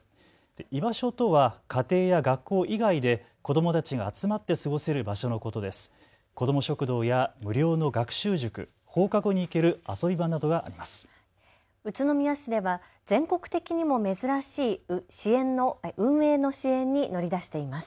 居場所とは家庭や学校以外で子どもたちが集まって過ごせる場所のことです。